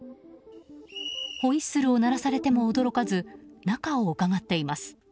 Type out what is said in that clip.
ホイッスルを鳴らされても驚かず中をうかがっています。